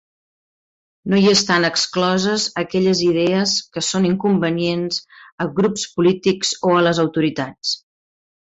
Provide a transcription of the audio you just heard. No hi estan excloses aquelles idees que són inconvenients a grups polítics o les autoritats.